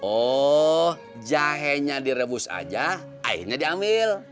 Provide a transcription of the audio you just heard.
oh jahenya direbus aja airnya diambil